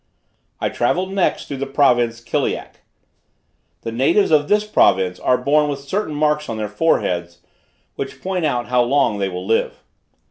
I travelled next through the province Kiliak. The natives of this province are born with certain marks on their foreheads, which point out how long they will live.